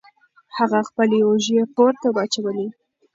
هغه خپلې اوژې پورته واچولې.